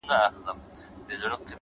فکر د انسان لار ټاکي؛